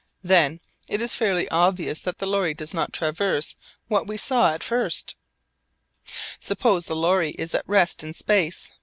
Then it is fairly obvious that the lorry does not traverse what we saw at first. Suppose the lorry is at rest in space β.